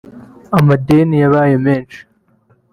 Amadeni yabaye menshi